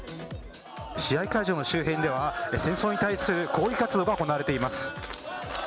試合会場の周辺では戦争に対する抗議活動が行われています。